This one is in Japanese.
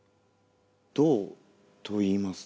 「どう」といいますと？